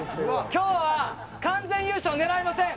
今日は完全優勝狙いません。